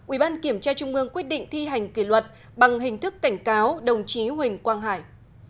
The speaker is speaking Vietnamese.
ủy ban kiểm tra trung ương quyết định thi hành kỷ luật bằng hình thức cảnh cáo đồng chí huỳnh quang hải